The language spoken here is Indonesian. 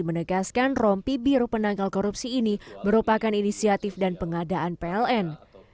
menegaskan rompi biru penanggal korupsi ini merupakan inisiatif dan pengadaan pln